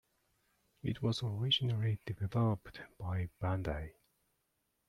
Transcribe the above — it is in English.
It was originally developed by Bandai.